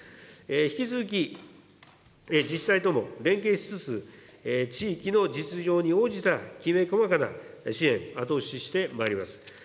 引き続き、自治体とも連携しつつ、地域の実情に応じたきめ細かな支援、後押ししてまいります。